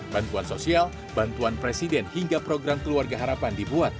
bantuan sosial bantuan presiden hingga program keluarga harapan dibuat